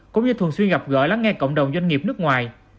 cũng như thường xuyên gặp gỡ lắng nghe cộng đồng doanh nghiệp nước ngoài